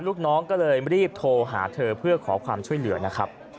ลูกน้องก็เลยรีบโทรหาเธอเพื่อขอความช่วยเหลือนะครับ